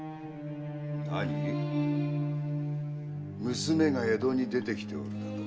娘が江戸に出てきておるだと？